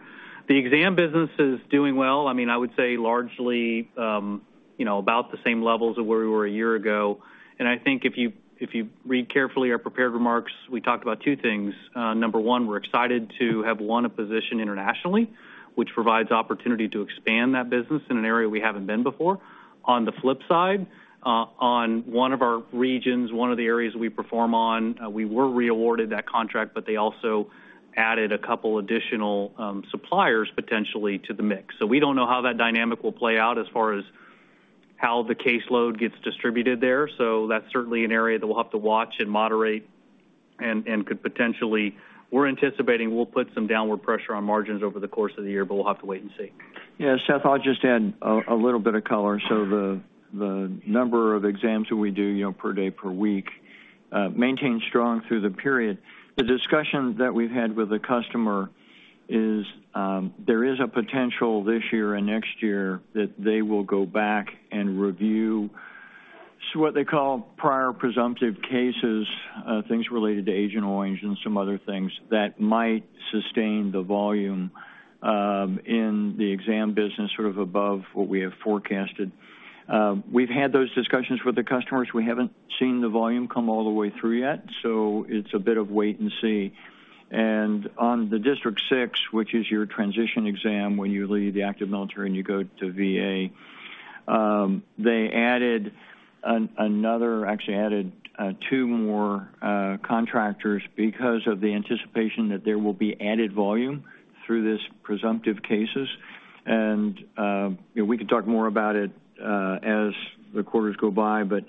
The exam business is doing well. I mean, I would say largely, you know, about the same levels of where we were a year ago. I think if you read carefully our prepared remarks, we talked about two things. Number one, we're excited to have won a position internationally, which provides opportunity to expand that business in an area we haven't been before. On the flip side, on one of our regions, one of the areas we perform on, we were re-awarded that contract, but they also added a couple additional suppliers potentially to the mix. We don't know how that dynamic will play out as far as how the caseload gets distributed there. That's certainly an area that we'll have to watch and moderate and could potentially. We're anticipating we'll put some downward pressure on margins over the course of the year, but we'll have to wait and see. Yeah, Seth, I'll just add a little bit of color. The number of exams that we do, you know, per day, per week, maintained strong through the period. The discussion that we've had with the customer is there is a potential this year and next year that they will go back and review what they call prior presumptive cases, things related to Agent Orange and some other things that might sustain the volume in the exam business sort of above what we have forecasted. We've had those discussions with the customers. We haven't seen the volume come all the way through yet, so it's a bit of wait and see. On the District Six, which is your transition exam when you leave the active military and you go to VA, they added another or actually added two more contractors because of the anticipation that there will be added volume through this presumptive cases. You know, we can talk more about it as the quarters go by, but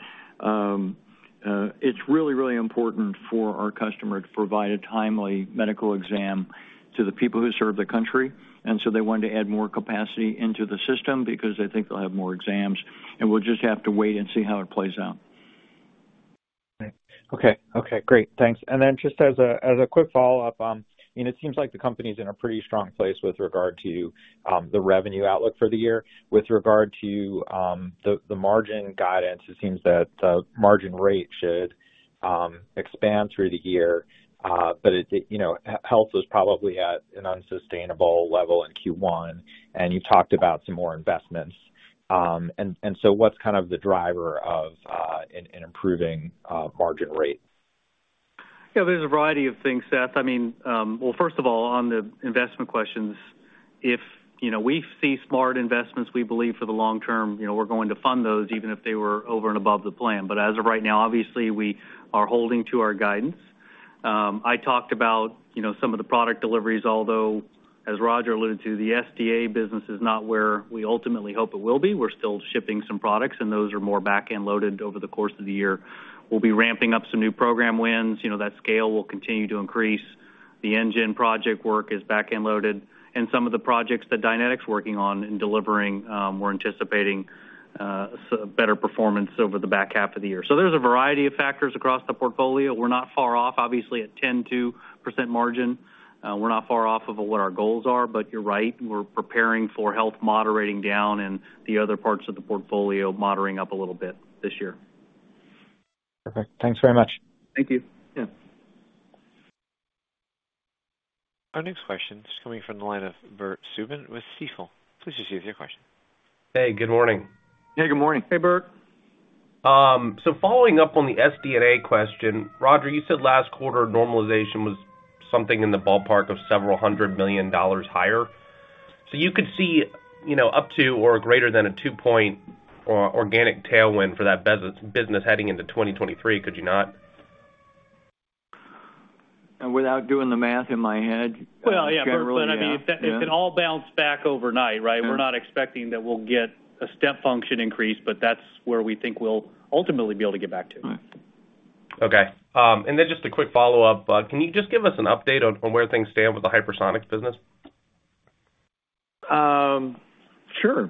it's really important for our customer to provide a timely medical exam to the people who serve the country. They wanted to add more capacity into the system because they think they'll have more exams, and we'll just have to wait and see how it plays out. Okay. Great. Thanks. Then just as a quick follow-up, it seems like the company's in a pretty strong place with regard to the revenue outlook for the year. With regard to the margin guidance, it seems that the margin rate should expand through the year, but it, you know, health was probably at an unsustainable level in Q1, and you talked about some more investments. So what's kind of the driver of in improving margin rate? Yeah, there's a variety of things, Seth. I mean, well, first of all, on the investment questions, if, you know, we see smart investments we believe for the long term, you know, we're going to fund those even if they were over and above the plan. As of right now, obviously, we are holding to our guidance. I talked about, you know, some of the product deliveries, although, as Roger alluded to, the SDA business is not where we ultimately hope it will be. We're still shipping some products, and those are more back-end loaded over the course of the year. We'll be ramping up some new program wins. You know, that scale will continue to increase. The Engine project work is back-end loaded. Some of the projects that Dynetics is working on in delivering, we're anticipating a better performance over the back half of the year. There's a variety of factors across the portfolio. We're not far off, obviously, at 10.2% margin. We're not far off of what our goals are, but you're right, we're preparing for health moderating down and the other parts of the portfolio moderating up a little bit this year. Perfect. Thanks very much. Thank you. Yeah. Our next question is coming from the line of Bert Subin with Stifel. Please proceed with your question. Hey, good morning. Yeah, good morning. Hey, Bert. Following up on the SDA question, Roger, you said last quarter normalization was something in the ballpark of $several hundred million higher. You could see, you know, up to or greater than a 2% organic tailwind for that business heading into 2023, could you not? Without doing the math in my head, generally, yeah. Well, yeah, Bert, but I mean, it can all bounce back overnight, right? We're not expecting that we'll get a step function increase, but that's where we think we'll ultimately be able to get back to. All right. Okay. Just a quick follow-up. Can you just give us an update on where things stand with the hypersonic business? Sure.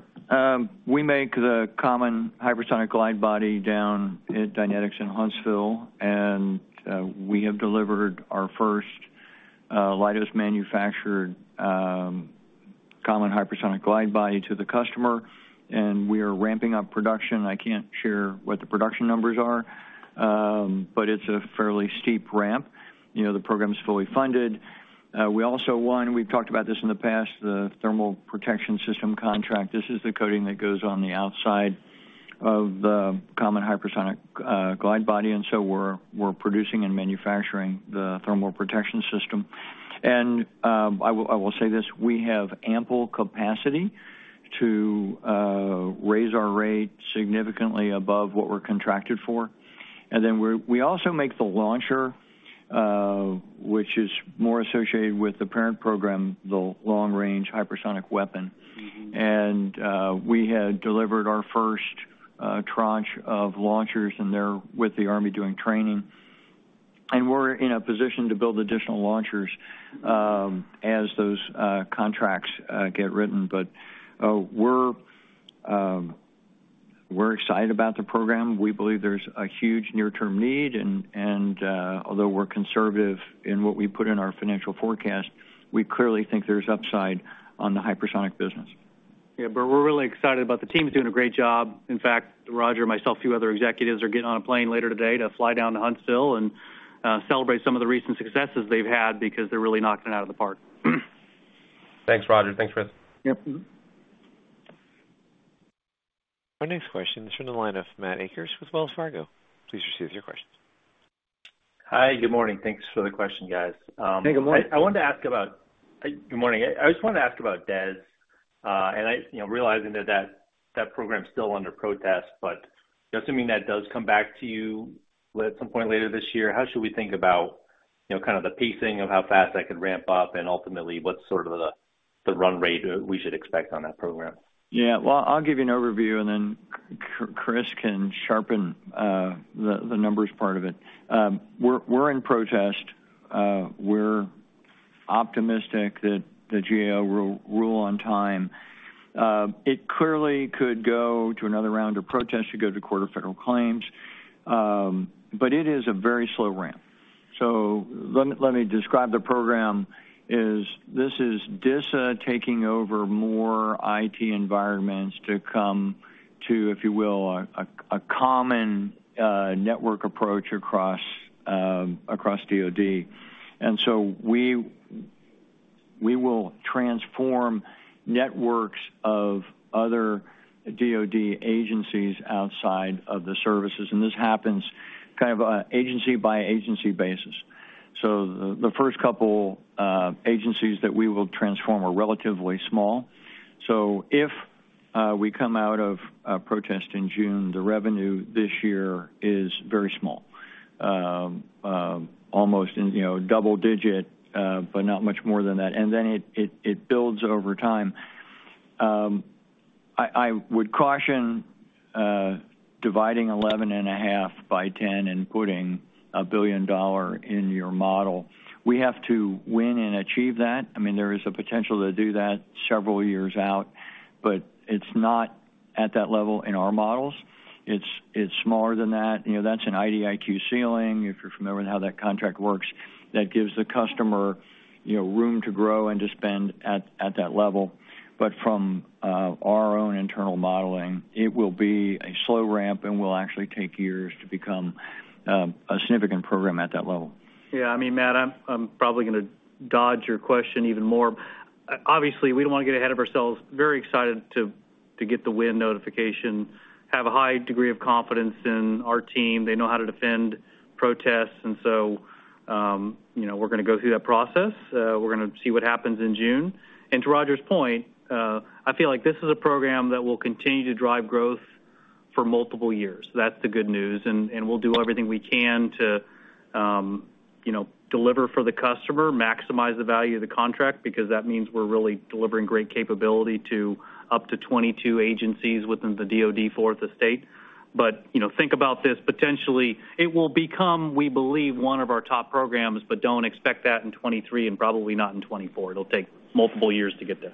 We make the Common Hypersonic Glide Body down at Dynetics in Huntsville, and we have delivered our first Leidos manufactured Common Hypersonic Glide Body to the customer, and we are ramping up production. I can't share what the production numbers are, but it's a fairly steep ramp. You know, the program's fully funded. We also won, we've talked about this in the past, the Thermal Protection System contract. This is the coating that goes on the outside of the Common Hypersonic Glide Body. I will say this, we have ample capacity to raise our rate significantly above what we're contracted for. We also make the launcher, which is more associated with the parent program, the Long-Range Hypersonic Weapon. Mm-hmm. We had delivered our first tranche of launchers, and they're with the Army doing training. We're in a position to build additional launchers as those contracts get written. We're excited about the program. We believe there's a huge near-term need and although we're conservative in what we put in our financial forecast, we clearly think there's upside on the hypersonic business. Yeah. We're really excited about the team's doing a great job. In fact, Roger, myself, a few other executives are getting on a plane later today to fly down to Huntsville and celebrate some of the recent successes they've had because they're really knocking it out of the park. Thanks, Roger. Thanks, Chris. Yep. Our next question is from the line of Matthew Akers with Wells Fargo. Please proceed with your question. Hi. Good morning. Thanks for the question, guys. Hey, good morning. Good morning. I just wanted to ask about DES, and you know, realizing that program's still under protest, but just assuming that does come back to you at some point later this year, how should we think about, you know, kind of the pacing of how fast that could ramp up and ultimately what sort of the run rate we should expect on that program? Well, I'll give you an overview, and then Chris can sharpen the numbers part of it. We're in protest. We're optimistic that the GAO will rule on time. It clearly could go to another round of protests. It could go to the Court of Federal Claims. It is a very slow ramp. Let me describe the program. This is DISA taking over more IT environments to come to, if you will, a common network approach across DoD. We will transform networks of other DoD agencies outside of the services, and this happens kind of a agency-by-agency basis. The first couple agencies that we will transform are relatively small. If we come out of a protest in June, the revenue this year is very small. Almost, you know, double-digit, but not much more than that. Then it builds over time. I would caution dividing 11.5 by 10 and putting a billion dollar in your model. We have to win and achieve that. I mean, there is a potential to do that several years out, but it's not at that level in our models. It's smaller than that. You know, that's an IDIQ ceiling, if you're familiar with how that contract works. That gives the customer, you know, room to grow and to spend at that level. From our own internal modeling, it will be a slow ramp and will actually take years to become a significant program at that level. Yeah. I mean, Matt, I'm probably gonna dodge your question even more. Obviously, we don't wanna get ahead of ourselves. Very excited to get the win notification. Have a high degree of confidence in our team. They know how to defend protests. You know, we're gonna go through that process. We're gonna see what happens in June. To Roger's point, I feel like this is a program that will continue to drive growth for multiple years. That's the good news. We'll do everything we can to deliver for the customer, maximize the value of the contract because that means we're really delivering great capability to up to 22 agencies within the DoD Fourth Estate. you know, think about this, potentially it will become, we believe, one of our top programs, but don't expect that in 2023 and probably not in 2024. It'll take multiple years to get there.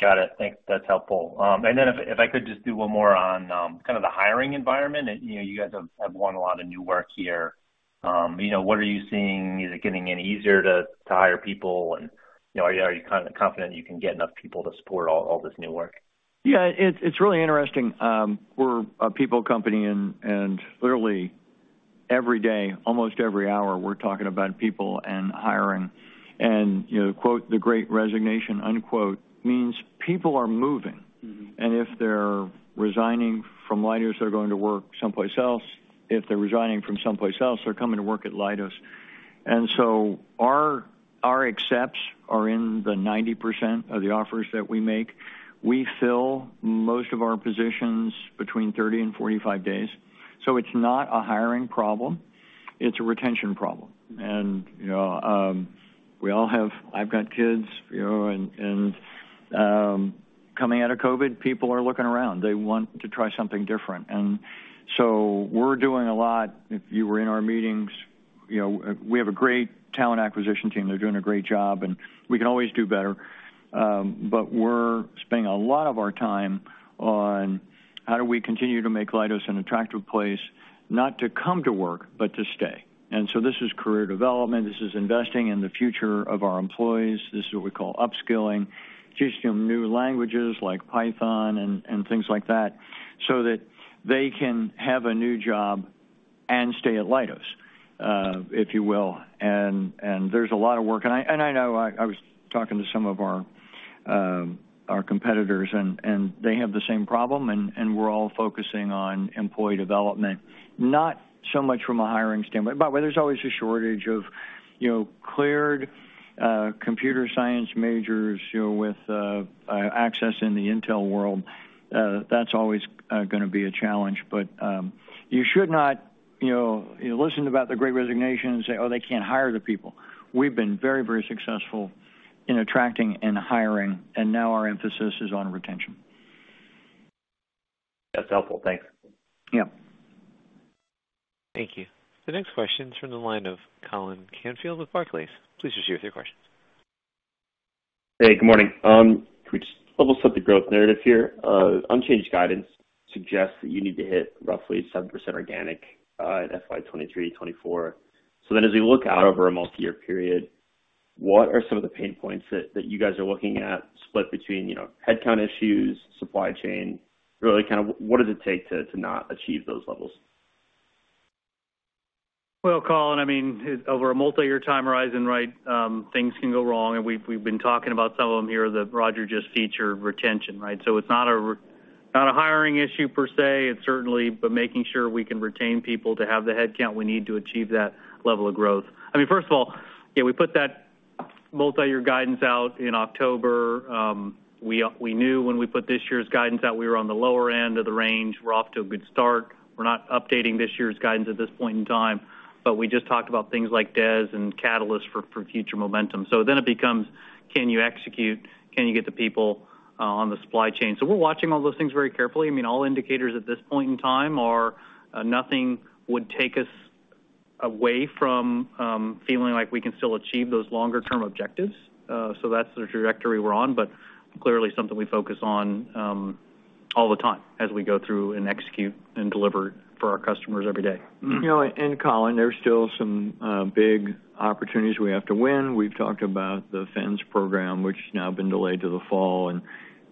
Got it. Thanks. That's helpful. If I could just do one more on kind of the hiring environment. You know, you guys have won a lot of new work here. You know, what are you seeing? Is it getting any easier to hire people? You know, are you kind of confident you can get enough people to support all this new work? Yeah. It's really interesting. We're a people company, and literally every day, almost every hour, we're talking about people and hiring. You know, quote, "The Great Resignation," unquote, means people are moving. Mm-hmm.If they're resigning from Leidos, they're going to work someplace else. If they're resigning from someplace else, they're coming to work at Leidos. Our acceptance rate is 90% of the offers that we make. We fill most of our positions between 30 and 45 days. It's not a hiring problem, it's a retention problem. I've got kids, you know. Coming out of COVID, people are looking around. They want to try something different. We're doing a lot. If you were in our meetings, you know, we have a great talent acquisition team. They're doing a great job, and we can always do better. We're spending a lot of our time on how do we continue to make Leidos an attractive place not to come to work, but to stay. This is career development. This is investing in the future of our employees. This is what we call upskilling. Teaching them new languages like Python and things like that, so that they can have a new job and stay at Leidos, if you will. There's a lot of work. I know I was talking to some of our competitors and they have the same problem, and we're all focusing on employee development, not so much from a hiring standpoint. By the way, there's always a shortage of, you know, cleared computer science majors, you know, with access in the intel world. That's always gonna be a challenge. You should not, you know, listen about the Great Resignation and say, "Oh, they can't hire the people." We've been very, very successful in attracting and hiring, and now our emphasis is on retention. That's helpful. Thanks. Yeah. Thank you. The next question is from the line of Colin Canfield with Barclays. Please proceed with your questions. Hey, good morning. Can we just level set the growth narrative here? Unchanged guidance suggests that you need to hit roughly 7% organic in FY 2023, 2024. As we look out over a multi-year period, what are some of the pain points that you guys are looking at split between, you know, headcount issues, supply chain, really kind of what does it take to not achieve those levels? Well, Colin, I mean, over a multi-year time horizon, right, things can go wrong. We've been talking about some of them here that Roger just featured. Retention, right? It's not a hiring issue per se. It's certainly but making sure we can retain people to have the headcount we need to achieve that level of growth. I mean, first of all, yeah, we put that multi-year guidance out in October. We knew when we put this year's guidance out, we were on the lower end of the range. We're off to a good start. We're not updating this year's guidance at this point in time, but we just talked about things like DES and catalysts for future momentum. Then it becomes, can you execute? Can you get the people on the supply chain? We're watching all those things very carefully. I mean, all indicators at this point in time are, nothing would take us away from, feeling like we can still achieve those longer term objectives. That's the trajectory we're on, but clearly something we focus on, all the time as we go through and execute and deliver for our customers every day. You know, Colin, there's still some big opportunities we have to win. We've talked about the Space Fence program, which has now been delayed to the fall.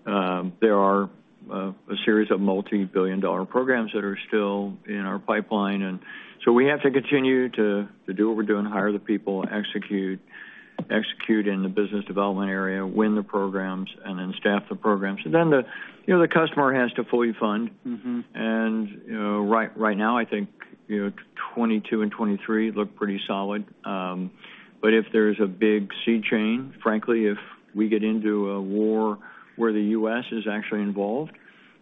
There are a series of multi-billion-dollar programs that are still in our pipeline. We have to continue to do what we're doing, hire the people, execute in the business development area, win the programs, and then staff the programs. You know, the customer has to fully fund. You know, right now, I think, you know, 2022 and 2023 look pretty solid. But if there's a big sea change, frankly, if we get into a war where the U.S. is actually involved,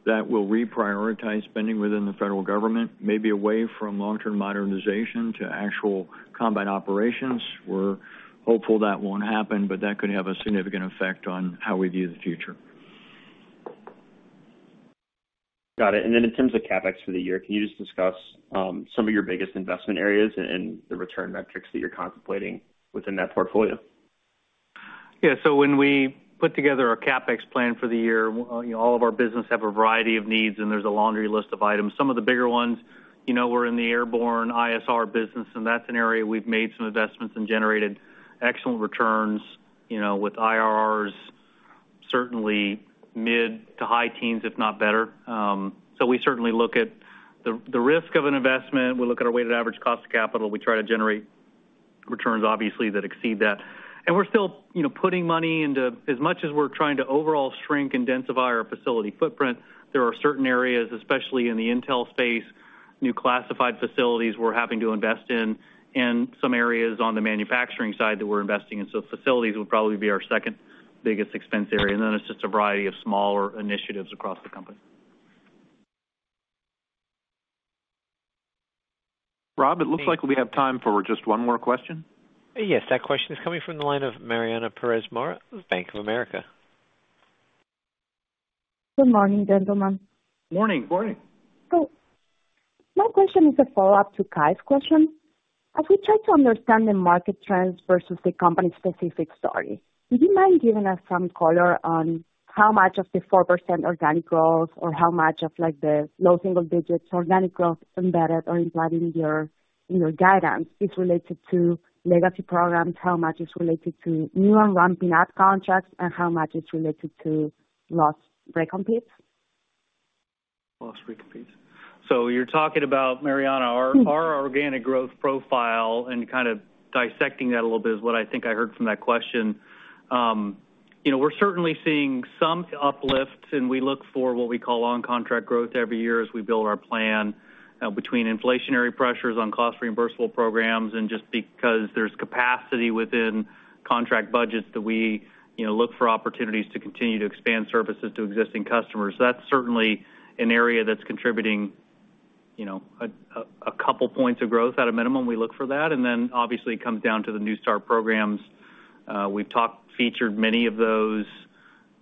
that will reprioritize spending within the federal government, maybe away from long-term modernization to actual combat operations. We're hopeful that won't happen, but that could have a significant effect on how we view the future. Got it. In terms of CapEx for the year, can you just discuss some of your biggest investment areas and the return metrics that you're contemplating within that portfolio? Yeah. When we put together a CapEx plan for the year, you know, all of our business have a variety of needs, and there's a laundry list of items. Some of the bigger ones, you know, we're in the airborne ISR business, and that's an area we've made some investments and generated excellent returns, you know, with IRRs, certainly mid- to high-teens, if not better. We certainly look at the risk of an investment. We look at our weighted average cost of capital. We try to generate returns, obviously, that exceed that. We're still, you know, putting money into as much as we're trying to overall shrink and densify our facility footprint. There are certain areas, especially in the intel space, new classified facilities we're having to invest in and some areas on the manufacturing side that we're investing in. Facilities would probably be our second biggest expense area. It's just a variety of smaller initiatives across the company. Rob, it looks like we have time for just one more question. Yes, that question is coming from the line of Mariana Perez Mora of Bank of America. Good morning, gentlemen. Morning. Morning. My question is a follow-up to Cai's question. As we try to understand the market trends versus the company's specific story, would you mind giving us some color on how much of the 4% organic growth or how much of, like, the low single digits organic growth embedded or implied in your guidance is related to legacy programs? How much is related to new and ramping up contracts, and how much is related to lost recompetes? Lost recompetes. You're talking about, Mariana, our organic growth profile, and kind of dissecting that a little bit is what I think I heard from that question. You know, we're certainly seeing some uplifts, and we look for what we call on-contract growth every year as we build our plan, between inflationary pressures on cost reimbursable programs and just because there's capacity within contract budgets that we, you know, look for opportunities to continue to expand services to existing customers. That's certainly an area that's contributing. You know, a couple points of growth at a minimum, we look for that. Obviously it comes down to the new start programs. We've featured many of those.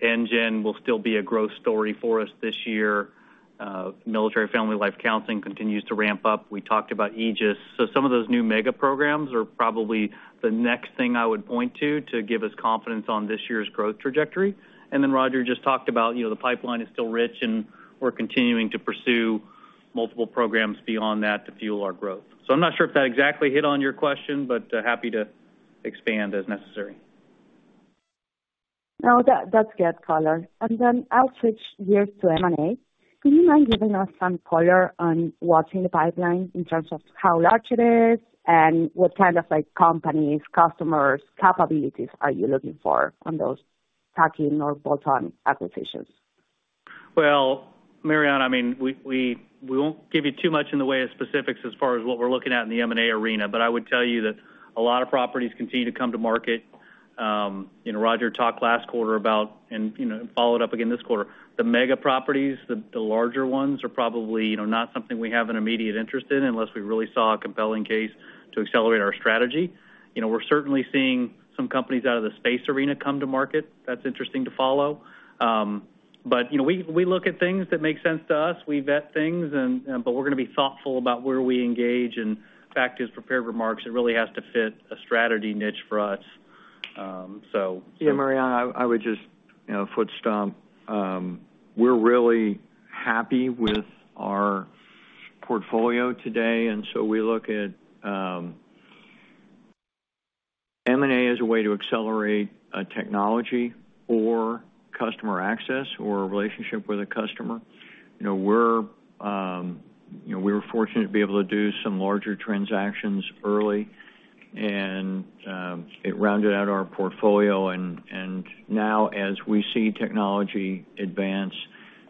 NGEN will still be a growth story for us this year. Military Family Life Counseling continues to ramp up. We talked about AEGIS. Some of those new mega programs are probably the next thing I would point to to give us confidence on this year's growth trajectory. Roger just talked about, you know, the pipeline is still rich, and we're continuing to pursue multiple programs beyond that to fuel our growth. I'm not sure if that exactly hit on your question, but happy to expand as necessary. No, that's good color. I'll switch gears to M&A. Do you mind giving us some color on what's in the pipeline in terms of how large it is and what kind of, like, companies, customers, capabilities are you looking for on those tactical or bolt-on acquisitions? Well, Mariana, I mean, we won't give you too much in the way of specifics as far as what we're looking at in the M&A arena, but I would tell you that a lot of properties continue to come to market. You know, Roger talked last quarter about, and you know, followed up again this quarter, the mega properties, the larger ones are probably, you know, not something we have an immediate interest in unless we really saw a compelling case to accelerate our strategy. You know, we're certainly seeing some companies out of the space arena come to market. That's interesting to follow. But, you know, we look at things that make sense to us. We vet things and, but we're gonna be thoughtful about where we engage. Back to his prepared remarks, it really has to fit a strategic niche for us. Yeah, Mariana, I would just, you know, foot stomp. We're really happy with our portfolio today, and so we look at M&A as a way to accelerate a technology or customer access or a relationship with a customer. You know, we were fortunate to be able to do some larger transactions early, and it rounded out our portfolio. Now as we see technology advance,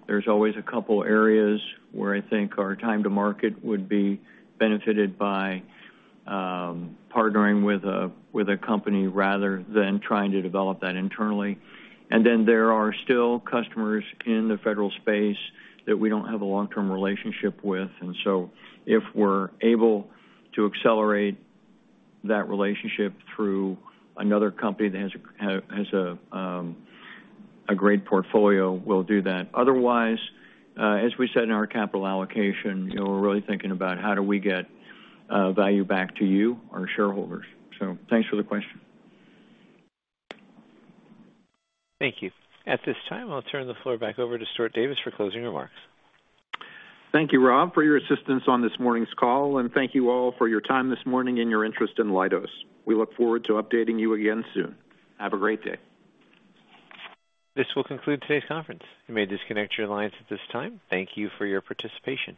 there's always a couple areas where I think our time to market would be benefited by partnering with a company rather than trying to develop that internally. Then there are still customers in the federal space that we don't have a long-term relationship with. If we're able to accelerate that relationship through another company that has a great portfolio, we'll do that. Otherwise, as we said in our capital allocation, you know, we're really thinking about how do we get value back to you, our shareholders. Thanks for the question. Thank you. At this time, I'll turn the floor back over to Stuart Davis for closing remarks. Thank you, Rob, for your assistance on this morning's call, and thank you all for your time this morning and your interest in Leidos. We look forward to updating you again soon. Have a great day. This will conclude today's conference. You may disconnect your lines at this time. Thank you for your participation.